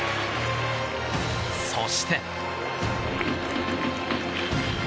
そして。